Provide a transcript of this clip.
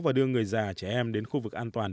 và đưa người già trẻ em đến khu vực an toàn